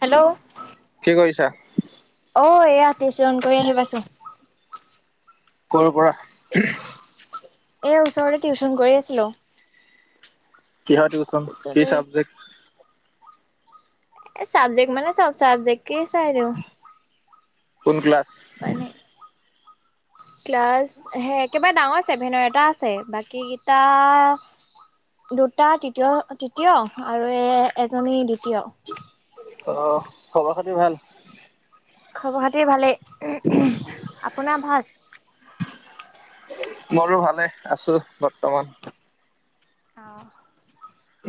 Hello কি কৰিছা? অ', এইয়া [unintelligible] কৰি আহি পাইছোঁ। ক'ৰ পৰা? এই ওচৰতে টিউচন কৰি আছিলো। কিহৰ টিউচন? কি তাৰপিছতে চাবজেক্ট? এ চাবজেক্ট মানে চব চাবজেক্ট [unintelligible] কোন ক্লাছ? মানে ক্লাছ হে একেবাৰে ডাঙৰ ছেভেনৰ এটা আছে। বাকী কেইটা, দুটা তৃতীয়-তৃতীয় আৰু এ-এজনী দ্বিত [unintelligible] অ', খবৰ খাতি ভাল? খবৰ খাতি ভালেই। আপোনাৰ ভাল? মোৰো ভালে, আছো বৰ্তমান। অ'।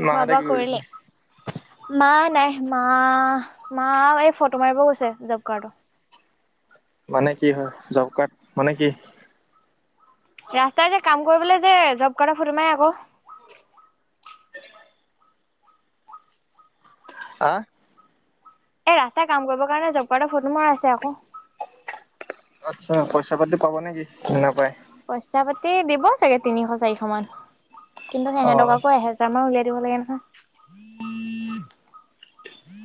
খোৱা মাহঁতে বোৱা কি কৰিলে কৰিছে? মা নাই, মা-মা এই ফটো মাৰিব গৈছে জব কাৰ্ডৰ। মানে কি হয়, জব কাৰ্ড মানে কি? ৰাস্তাই যে কাম কৰিবলৈ যে, জব কাৰ্ডৰ ফটো মাৰে আকৌ। আহ। এই ৰাস্তাই কাম কৰিবৰ কাৰণে জব কাৰ্ডৰ ফটো মৰাইছে আকৌ। আচ্ছা, পইচা পাতি পাব নেকি? নাপাই? পইচা পাতি দিব চাগে। তিনিশ চাৰিশ মান, কিন্তু সেহেতক অ' আকৌ এহেজাৰ মান উলিয়াই দিব লাগে নহয়।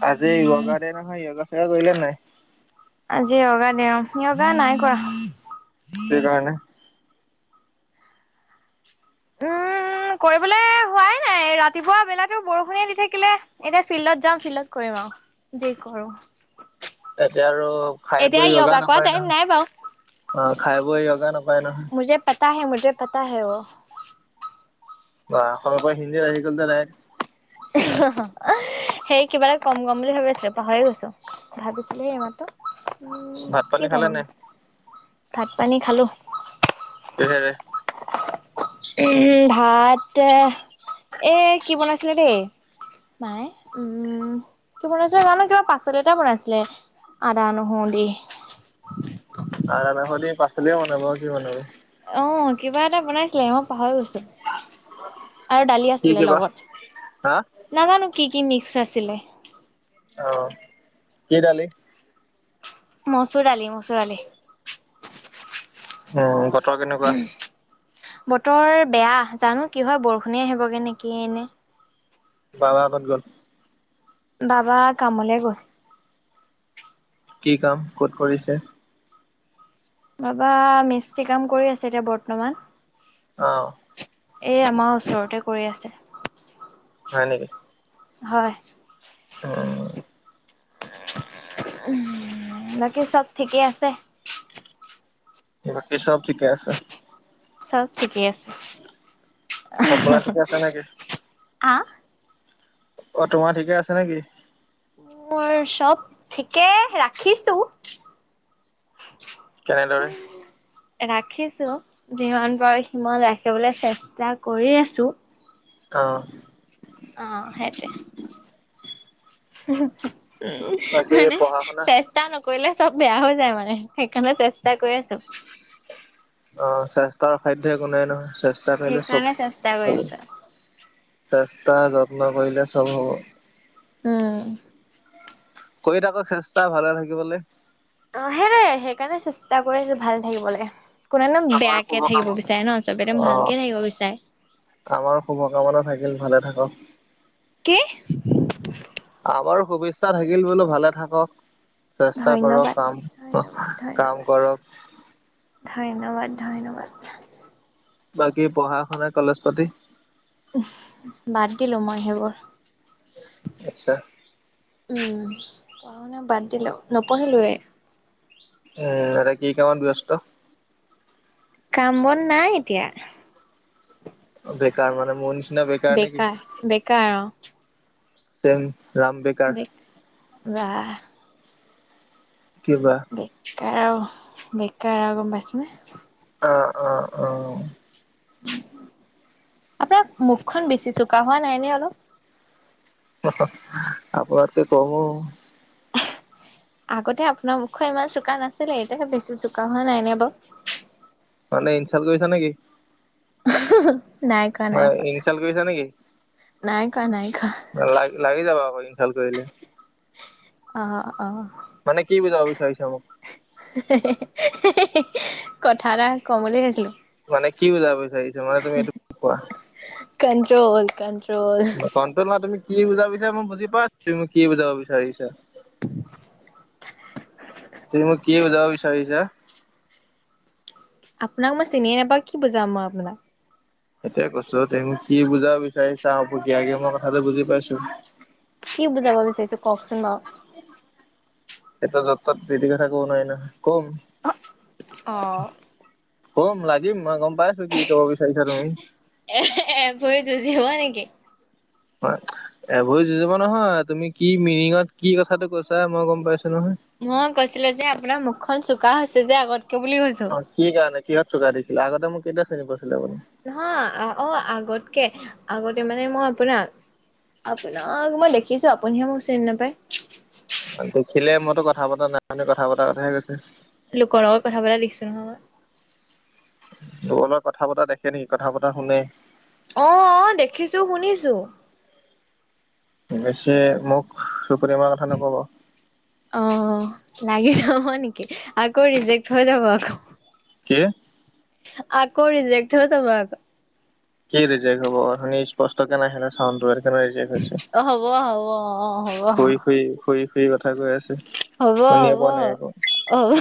আজি য়োগা দে নহয়, য়োগা [unintelligible] কৰিলা নাই। আজি য়োগা দে অ', য়োগা নাই কৰা। কি কাৰণে? উম, কৰিবলৈ হোৱাই নাই ৰাতিপুৱা বেলাতো বৰষুণে দি থাকিলে। এতিয়া ফিল্ডত যাম, ফিল্ডত কৰিম আৰু যি কৰোঁ। এতিয়া আৰু খাই বৈ য়োগা কৰা নকৰে টাইম নহয়। নাই বাৰু অ', খাই বৈ য়োগা নাপায় নহয়। মুজে পতা হে ম মুজে পতা হে বা অসমৰ পৰা হিন্দীত আহি গল যে সেই কিবা এটা কম গম বুলি ভাবি আছিলো পাহৰি গৈছো ভাবিছিলো সেই ইমাতো উম ভাত কি পানী কম খালে নাই? বুলি ভাত পানী খালো কিহেৰে উম, ভাতে এ কি বনাইছিলে দেই। মাই উম, কি বনাইছিলে জানো কিবা পাচল এটা বনাইছিলে আদা নহৰু দি। চালিয়া বনাব কি বনাব। অ' কিবা এটা বনাইছিলে মই পাহৰি গৈছো। আৰু দালি কি আছিলে কিবা লগত হা নাজানো, কি-কি মিক্স আছিলে? কি দালি? মচুৰ দালি মচুৰ দালি। উম, ব তৰ কেনেকুৱা? বতৰ বেয়া জানো কি হয় বৰষুণে আহিবগে নেকি এনে? বাবা ক'ত গল। বাবা কামলে গল। কি কাম ক'ত কৰিছে? বাবা মিস্ত্ৰী কাম কৰি আছে এতিয়া বৰ্তমান। অহ, এই আমাৰ ওচৰতে কৰি আছে। হয় নেকি? হয়। অহ, বাকী চব ঠিকে আছে। বাবী চাব ঠিকেয়ে আছে। চব ঠিকে আছে। আপোনাৰ থিকে আছে নেকি? আহ অ' তোমাৰ ঠিকে আছে নেকি? মোৰ চব ঠিকে ৰাখিছো। কেনেদৰে ৰাখিছো যিমান পাৰো সিমান ৰাখিবলৈ চেষ্টা কৰি আছো। অ', অ' সেইতোৱে। উমহো। [unintelligible] উম, বাকী মানে পঢ়া শুনা? চেষ্টা নকৰিলে। চব বেয়া হৈ যায় মানে, সেইকাৰণে চেষ্টা কৰি আছো। অহ, চেষ্টা তাৰ অসাধ্য একো নাই নহয়। চেষ্টা পেইলে চব সেইকাৰণে চেষ্টা কৰি ভাল আছো চেষ্টা। তাৰ যত্ন কৰিলে চব হ'ব। উম! কৰি থাকক চেষ্টা ভালে থাকিবলৈ। অ' সেইতোয়ে সেইকাৰণে চেষ্টা কৰি আছোঁ ভাল থাকিবলৈ। কোনেনো আমাৰ বেয়াকে থাকিব শুভকামনা। বিচাৰে ন, চবেটো অ' ভালকে থাকিব বিচাৰে। দিল ভালে থাকক। কি। আমাৰো শুভেচ্ছা থাকিল বোলো ভালে থাকক। চেষ্টা কৰক ধন্যবাদ কাম ধন্যবাদ কাম ধন্যবাদ কৰক। ধন্যবাদ ধন্যবাদ। বাকী পঢ়া শুনা কলেজ পাতি। বাদ দিলো মই সেইবোৰ। আচ্ছা উম পঢ়া শুনা বাদ দিলো নপঢ়িলোয়ে। উম বা কি কামত ব্যস্ত। কাম বন নাই এতিয়া। বেকাৰ মানে মন মইও। বেকাৰ, বেকাৰ অ'। চেম ৰাম বেকাৰ বেক, ৱাহ কি বা? বেকাৰ, বেকাৰ আৰু গম পাইছনে? অ', অ', অ'। আপোনাৰ মুখখন বেছি চোকা হোৱা নাই নে অলপ? আপোনতকে কম অ'। আগতে আপোনাৰ মুখখন ইমান চোকা নাছিলে, এতিয়াহে বেছি চোকা হোৱে নাই নে বাৰু। মানে ইনচাল্ট কৰিছা নেকি? নাই কৰা মানে নাই কৰা ইনচাল কৰিছা নেকি? নাই কৰা নাই কৰা লগি-লাগি যাব আকৌ ই ইনচাল কৰিলে অ', অ'। মানে কি বুজাব বিচাৰিছা মোক অ' কথা এটা ক'ম বুলি ভাবিছিলোঁ। মানে কি বুজাব বিচাৰিছা? মানে তুমি এইটো কোৱা? কণ ম কন্ট্ৰল ন তুমি কি বুজাব বিচাৰ মই বুজি পাইছো, মোক কি বুজাব বিচাৰিছা তুমি মোক কি বুজাব বি [unintelligible] আপোনাক মই চিনিয়ে নাপাওঁ, কি বুজাম মই আপোনাক? সেটোৱে কৈছো, তুমি কি বুজাব বিচাৰিছা বকীয়াকে মই কথাটো বুজি পাইছো। কি বুজাব বিচাৰিছো কওকচোন বাও। এতিয়া য'ত ত'ত যিটি কথা ক'ব নোৱাৰি নহয়। ক'ম অ'। ক'ম, লাগিম, মই গম পাইছো কি ক'ব বিচাৰিছা তুমি। এ ভই যুজিব নেকি? হয়। এভই যুজিব নহয়, তুমি কি মিনিঙত কি কথাটো কৈছা মই গম পাইছো নহয়। মই কৈছিলো যে আপোনাৰ মুখখন চুুুক কা হৈছে যে আগত অ', কি কাৰণে? কিহ চোকা দেখিলা? আগতে মোক কেতিয়া চিনি পাইছিলে আপুনি? নহয়, অ', আগতকে, আগতে মানে মই আপোনাক, আপোনাক মই দেখিছো। আপুনিহে মোক চিনি নাপায়। দেখিলে মইতো কথা পতা নাই [unintelligible] কথা পতাৰ কথাহে কৈছে। লোকৰ লগত কথা পতা দেখিছো নহয় মই। লোকৰ লগত কথা পতা দেখে নেকি? কথা পতা শুনে। অ' অ' দেখিছোঁ শুনিছোঁ। অৱশ্যে মোক চুপতিমাৰ কথা নকব। অ লাগি যাব নেকি আকৌ ৰিজেক্ট হৈ যাব আকৌ। কি? আকৌ ৰিজেক্ট যাব আ কি ৰিজেক্ট হ'ব? অথনি স্পষ্ট কে নাই শুনা চাউণ্ড টোৱে। অ' হ'ব, হ'ব অ' হ'ব। কি কথা কৈ আছে? হ'ব, শুনিয়ে হ'ব, পোৱা নাই আকৌ হ'ব।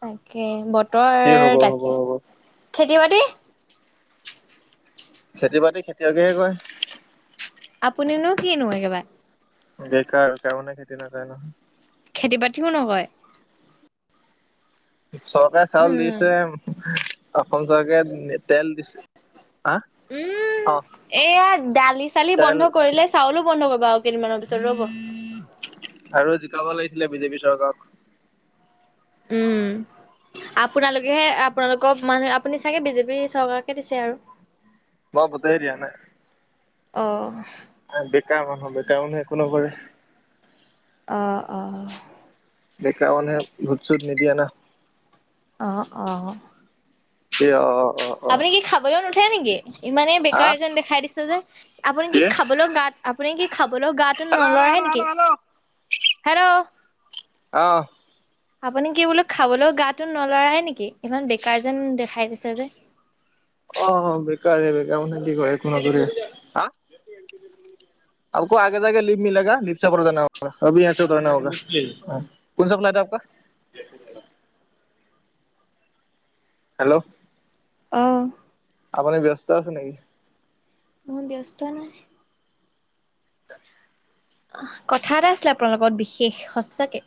তাকে বত কি হ'ব ৰ হ'ব তাকে হ'ব খেতি-বাতি [unintelligible] খেতি-বাতি খেতিয়কেহে কৰে। আপুনিনো কিনো একেবাৰে? বেকাৰ তেওঁ মানে খেতি নকৰে নহয়। খেতি-বাতিও নকৰে। চৰকাৰে চাউল উম দিছে। অসম চৰকাৰে তেল দিছে। হা উম অ এয়া দালি চালি তেল বন্ধ কৰিলে চাউলো বন্ধ কৰিব। বাৰু কেইদমানৰ পিছত ৰ'ব আৰু জিকাব লাগিছিলে বিজেপি চৰকাৰক। উম। আপোনালোকেহে আপোনালোকক মানুহে আপুনি চাগে বিজেপি চৰকাৰকে দিছে আৰু। মই ভোটেই দিয়া নাই। অ' বেকাৰ মানুহ বেকাৰ মানে একো নকৰে। অ' অ' ডেকা মানুহে ভোট চুত নিদিয়ে না। অহ অ। এ অ অ। অ অ আপুনি কি খাবলৈও নুঠে নেকি ইমানেই হা বেকাৰ যেন দেখাই দিছে যে আপুনি কি খাবলৈও গাত আপুনি কি? বোলো গাটো হেল্ল' হেল্ল' নলৰাই হেল্ল' নেকি হেল্ল' হেল্ল' হেল্ল'। আহ। আপুনি কি বোলো খাবলৈও গাটো নলৰায়ে নেকি ইমান বেকাৰ যেন দেখাই দিছে যে। অ বেকাৰে বেকাৰ মানে কি কৰিম একো নকৰে। হা, আকৌ আগে যাগে লিপ মিলেগা, লিপ চে আভি য়হা চে উতাৰ না হৌগা কনচা ফ্লাইট হে আপকা? হেল্ল' আহ। আপুনি ব্যস্ত আছে নেকি? ব্যস্ত নাই। কথা এটা আছিলে আপোনাৰ লগত বিশেষ সচাকে।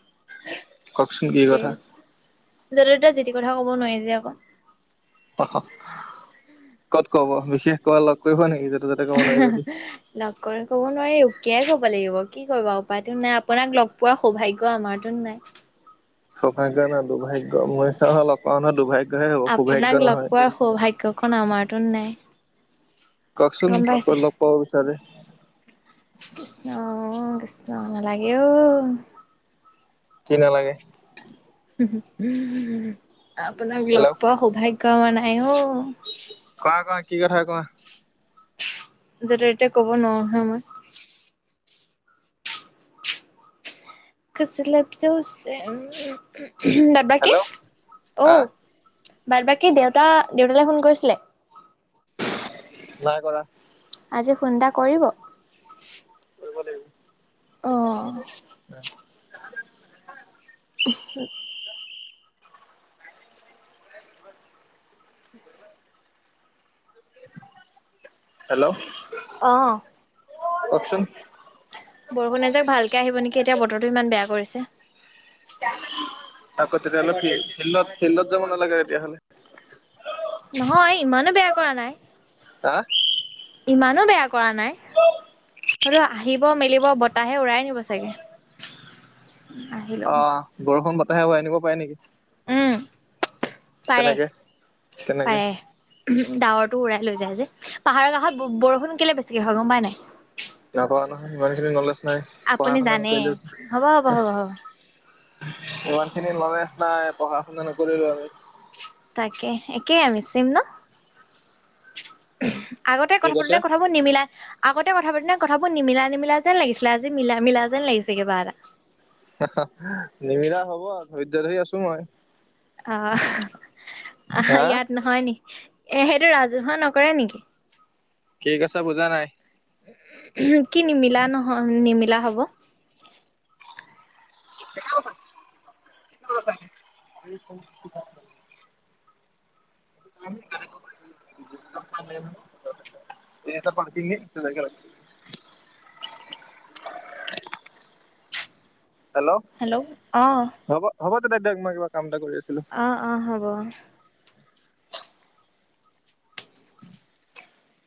কওকচোন কি কথা? য'তেই ততে যিতি কথা ক'ব নোৱাৰি যে আক ক'ত ক'ব বিশেষ কৰবাত লগ কৰিব নেকি য লগ কৰি ক'ব নোৱাৰিম কাই ক'ব লাগিব কি কৰিবা উপায়তো নাই আপোনাক লগ পোৱাৰ সৌভাগ্য আমাৰটো নাই। সৌভাগ্য নাই দুৰ্ভাগ্য মই চা লগ পাও নহয় দুৰ্ভাগ্য আপোনাক লগ পোৱাৰ সৌভাগ্যখন আমাৰতো নাই। কওকচোন গম ক'ত পাইছে লগ পাব। তাৰে কৃষ্ণ কৃষ্ণ নালাগে অ। কি নালাগে। উ উম। আপোনাক লগ পোৱা সৌভাগ কাৱা নাই অ'। ক আকো। কি কথা কোৱা য'তে-ত'তে ক'ব নোৱাৰো নহয় মই। কুছ লাপজ চে উ বাট বাকি হেল্ল' হা অ'। বাট, বাকী দেউতা, দেউতালে ফোন কৰিছিলে? নাই কৰা। আজি ফোনটা কৰিব। ৰুমত আহিব। অ [unintelligible] [unintelligible] হেল্ল' অ'। কওঁকচোন। বৰষুণ এজাক ভালকে আহিব নেকি, এতিয়া বতৰটো ইমান বেয়া কৰিছে। আকৌ তেতিয়াহ'লে ফি, ফিল্ডত ফিল্ডত যাব নালাগে তেতিয়াহ'লে। নহয় ইমানো বেয়া কৰা নাই। হা ইমানো বেয়া কৰা নাই, সটো আহিব মেলিব, বতাহে উৰাই নিব চাগে। আহিলেও অ', বৰষুণ বত হাহে উআই নিব পাৰে নেকি? উম পাৰে কেনেকে কেনেকে পাৰে, ডাৱৰ উৰাই লৈ যায় যে, পাহাৰৰ কাষত বৰষুণ কেলে বেছিকে হয় গম পাই নাই? নাপাওঁ নহয়, ইমান খিনি নলেজ নাই পঢ়া আপুনি শুনা জানে, নকৰিলো হ'ব, হ'ব, হ'ব, হ'ব। ইমান খিনি নলেজ নাই পঢ়া-শুনা নকৰিলো আমি। তাকে একেই আমি চেম ন? [inaudible] আগতে কি কথা কৈছে পাতোতে কথাবোৰ নিমিলাই আগতে কথা পাতোনতে কথাবোৰ নিমিলা নিমিলা যেন লাগিছিলে, আজি মিলা মিলা যেন লাগিছে কিবা এটা। ধৰ্য্য ধৰি আছো মই। অহ, আহ হা ইয়াত নহয় নি? এ, সেইটো ৰাজহুৱা নকৰে নেকি? কি ক ইছা বুজা নাই। কি নিমিলা নহয়, নিমি লা হ'ব। ৰ'বা, ৰ'বা। [unintelligible] হেল্ল', অ'। এই বাদ দিয়ক মই কিবা কাম এটা কৰি আছো। অ' অ' হ'ব।